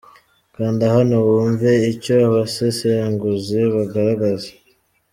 Kanda hano wumve icyo abasesenguzi bagaragaza.